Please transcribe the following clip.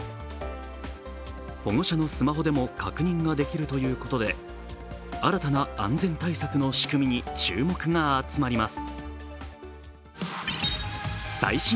保護者のスマホでも確認ができるということで新たな安全対策の仕組みに注目が集まります。